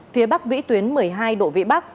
phía bắc vĩ tuyến một mươi hai độ vĩ bắc